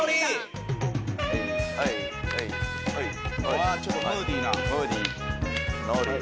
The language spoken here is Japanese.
うわちょっとムーディーな。